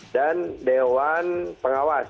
dan dewan pengawas